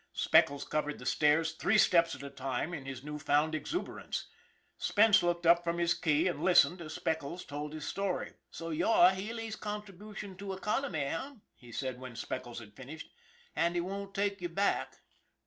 Speckles covered the stairs three steps at a time, in his new found exuberance. Spence looked up from his key and listened as Speckles told his story. " So you're Healy's contribution to economy, eh ?" he said when Speckles had finished. " And he won't take you back